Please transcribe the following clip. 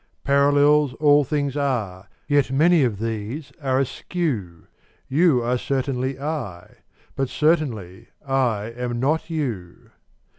Parallels all things are: yet many of these are askew: You are certainly I: but certainly I am not you.